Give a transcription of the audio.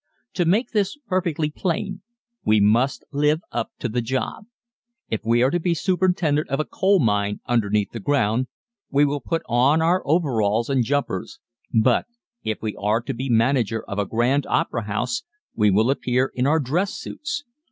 To make this perfectly plain we must live up to the job! If we are to be superintendent of a coal mine "underneath the ground" we will put on our overalls and jumpers, but if we are to be manager of a grand opera house we will appear in our dress suits.